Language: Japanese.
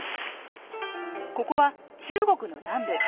ここは中国の南部。